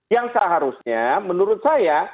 yang seharusnya menurut saya